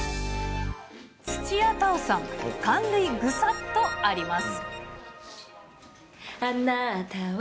土屋太鳳さん、感涙ぐさっとあります。